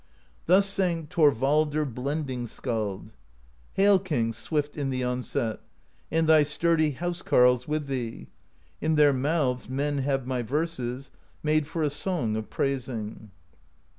Thus sang Thorvaldr Blending Skald: Hail, King, swift in the onset! And thy sturdy house carles with thee! In their mouths men have my verses, Made for a song of praising.